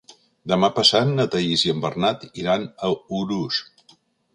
Demà passat na Thaís i en Bernat iran a Urús.